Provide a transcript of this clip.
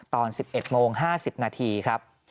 ตอน๑๑โมง๕๐นาทีครับ